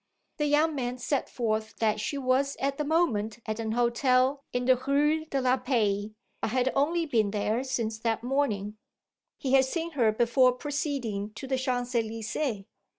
The young man set forth that she was at the moment at an hotel in the Rue de la Paix, but had only been there since that morning; he had seen her before proceeding to the Champs Elysées.